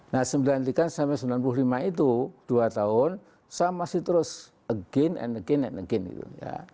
nah sembilan puluh tiga sampai sembilan puluh lima itu dua tahun saya masih terus again and again and again gitu ya